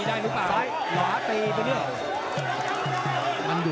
สายแปลง